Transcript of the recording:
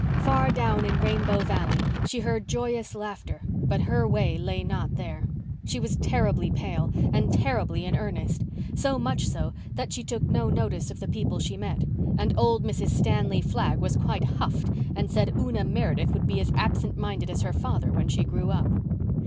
Far down in Rainbow Valley she heard joyous laughter but her way lay not there. She was terribly pale and terribly in earnest—so much so that she took no notice of the people she met—and old Mrs. Stanley Flagg was quite huffed and said Una Meredith would be as absentminded as her father when she grew up.